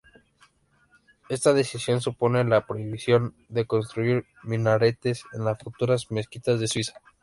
Esta decisión supone "la prohibición de construir minaretes en las futuras mezquitas de Suiza".